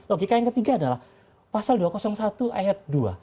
logika yang ketiga adalah pasal dua ratus satu ayat dua